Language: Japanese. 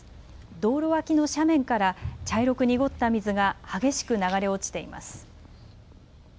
道路脇の斜面から茶色く濁った水が激しく流れ落ちています。